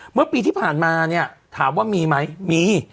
เมื่อปีที่ผ่านมาเนี่ยถามว่ามีไหมมี